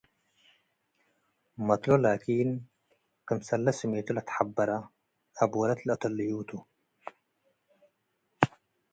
መትሎ ላኪን ክምሰለ ስሜቱ ለትሐብረ አብ ወለት ለለአተልዩ ቱ ።